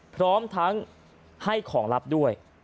พร้อมทั้งให้ของลับด้วย